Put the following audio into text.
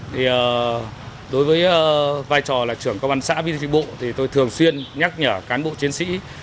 thì đối với vai trò là trưởng công an xã viên tri bộ thì tôi thường xuyên nhắc nhở cán bộ chiến sĩ